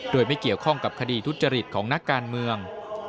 โดยไม่เกี่ยวข้องกับคดีทุจริตของนักการเมือง